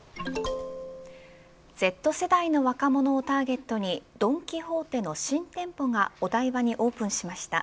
Ｚ世代の若者をターゲットにドン・キホーテの新店舗がお台場にオープンしました。